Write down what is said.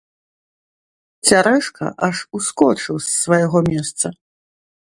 Цярэшка аж ускочыў з свайго месца.